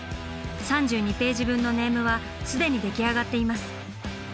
３２ページ分のネームは既に出来上がっています。